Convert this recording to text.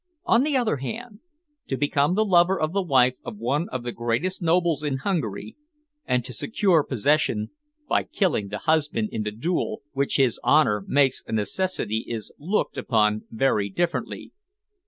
On the other hand, to become the lover of the wife of one of the greatest nobles in Hungary, and to secure possession by killing the husband in the duel which his honour makes a necessity is looked upon very differently."